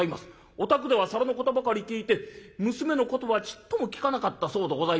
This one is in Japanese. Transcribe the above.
『お宅では皿のことばかり聞いて娘のことはちっとも聞かなかったそうでございます。